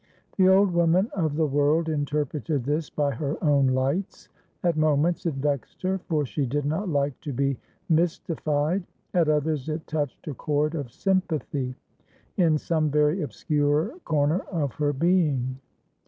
The old woman of the world interpreted this by her own lights. At moments it vexed her, for she did not like to be mystified; at others, it touched a chord of sympathy in some very obscure corner of her being.